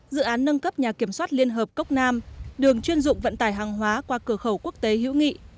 dự án nâng cấp nhà kiểm soát liên hợp cốc nam đường chuyên dụng vận tải hàng hóa qua cửa khẩu quốc tế hữu nghị